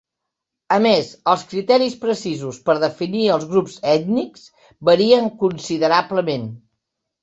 A més, els criteris precisos per definir els grups ètnics varien considerablement.